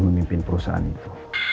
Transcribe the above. memimpin perusahaan itu